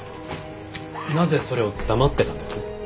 なぜそれを黙ってたんです？